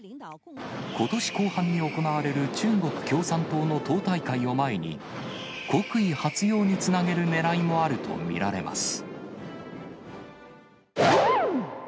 ことし後半に行われる中国共産党の党大会を前に、国威発揚につなげるねらいもあると見られます。